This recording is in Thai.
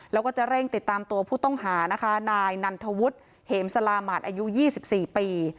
แล้วก็จะเร่งติดตามตัวผู้ต้องหานะคะนายนันทวุฒิเหมสลาหมาตรอายุ๒๔ปี